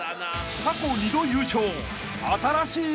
［過去２度優勝］